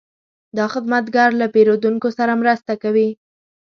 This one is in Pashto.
دا خدمتګر له پیرودونکو سره مرسته کوي.